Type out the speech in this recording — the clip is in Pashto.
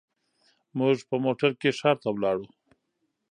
موږ په موټر کې ښار ته لاړو.